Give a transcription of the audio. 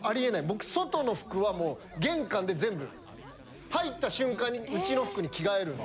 僕外の服はもう玄関で全部入った瞬間にうちの服に着替えるんで。